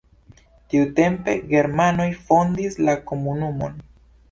Tiutempe germanoj fondis la komunumon.